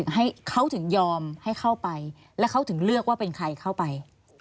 ให้เขาถึงยอมให้เข้าไปแล้วเขาถึงเลือกว่าเป็นใครเข้าไป